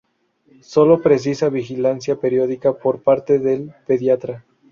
Sólo precisa vigilancia periódica por parte del pediatra.